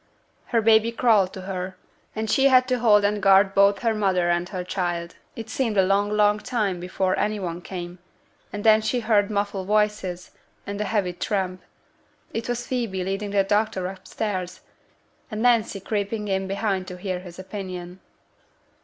Her baby crawled to her, and she had to hold and guard both her mother and her child. It seemed a long, long time before any one came, and then she heard muffled voices, and a heavy tramp: it was Phoebe leading the doctor upstairs, and Nancy creeping in behind to hear his opinion.